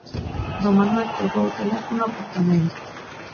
Don Manuel colgou o teléfono abruptamente.